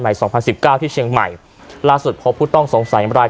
สองพันสิบเก้าที่เชียงใหม่ล่าสุดพบผู้ต้องสงสัยราย